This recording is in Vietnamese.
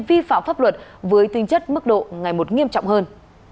vi phạm pháp luật với tinh chất mức độ ngày một nghiêm trọng hơn